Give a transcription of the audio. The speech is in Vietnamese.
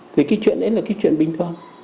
thì cái chuyện ấy là cái chuyện bình thường